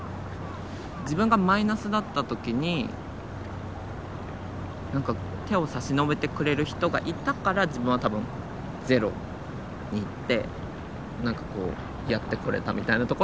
自分がマイナスだった時に手を差し伸べてくれる人がいたから自分は多分ゼロに行ってなんかこうやってこれたみたいなところも多分あって。